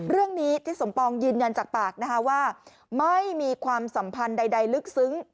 ทิศสมปองยืนยันจากปากนะคะว่าไม่มีความสัมพันธ์ใดลึกซึ้ง